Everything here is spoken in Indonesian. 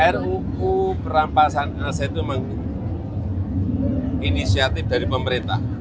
ruu perampasan aset itu memang inisiatif dari pemerintah